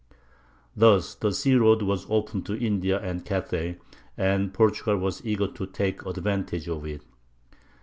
Thus the sea road was open to India and Cathay, and Portugal was eager to take advantage of it.